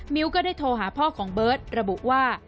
ก็ได้โทรหาพ่อของเบิร์ตระบุว่า